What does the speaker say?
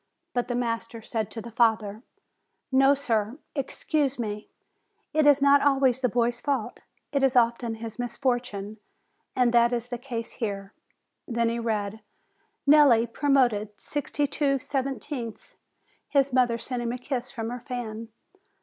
But the master said to the father: "No, sir, excuse me; it is not always the boy's fault; it is often his misfortune. And that is the case here." Then he read : "Nelli, promoted, sixty two seventieths." His mother sent him a kiss from her fan.